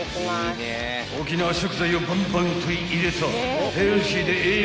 ［沖縄食材をばんばん取り入れた］